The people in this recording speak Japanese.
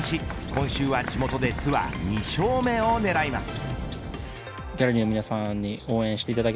今週は地元でツアー２勝目を狙います。